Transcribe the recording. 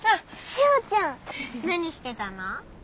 しおちゃん。何してたの？